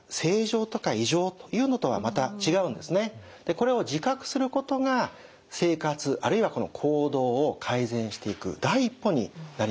これを自覚することが生活あるいは行動を改善していく第一歩になります。